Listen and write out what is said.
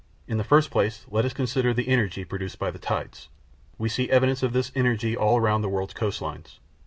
In the first place let us consider the energy produced by the tides. We see evidences of this energy all round the word's coastlines.